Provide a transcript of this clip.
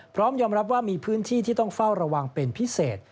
พร้อมยอมรับว่ามีพื้นที่ที่ต้องเฝ้าระวังเป็นพิเศษ